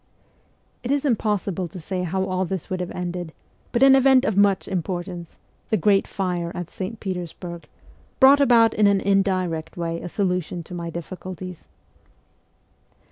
It is impossible to say how all this would have ended, but an event of much importance the great fire at St. Petersburg brought about in an indirect way a solution to my difficulties.